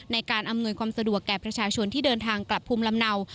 ในการอำนวยความสะดวกแก่ประชาชนที่เดินทางกลับภูมิลำเนา